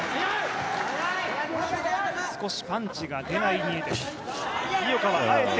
少しパンチが出ないニエテス。